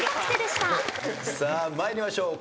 さあ参りましょう。